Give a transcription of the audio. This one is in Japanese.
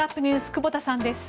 久保田さんです。